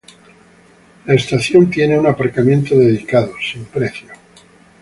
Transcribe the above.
La estación tiene un aparcamiento dedicado, sin precio.